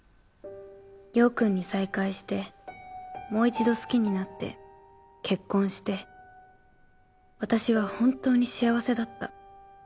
陽くんに再会して、もう一度好きになって結婚して、私は本当に幸せだった。